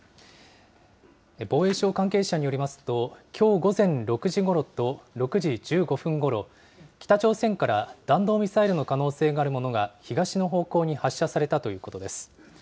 防衛省関係者によりますと、きょう午前６時ごろと６時１５分ごろ、北朝鮮から弾道ミサイルの可能性があるものが東の方向に発射されたということです。